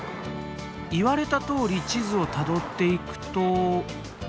言われたとおり地図をたどっていくと。